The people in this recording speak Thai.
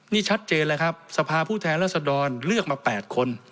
นี่ชัดเจนเลยครับสภาผู้แทนรัศดรเลือกมา๘คน